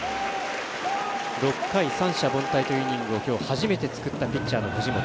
６回、三者凡退というイニングを今日、初めて作ったピッチャーの藤本。